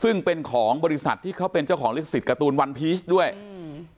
ซึ่งเป็นของบริษัทที่เขาเป็นเจ้าของลิขสิทธิ์ตูนวันพีชด้วยอืม